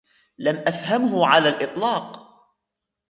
لم أفهمه على الإطلاق.